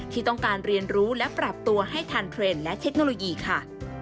ที่ต้องการเรียนรู้และปรับตัวให้ทันเทรนด์และเทคโนโลยีค่ะ